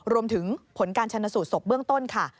รวมถึงผลการชนสูตรศพเบื้องต้นค่ะ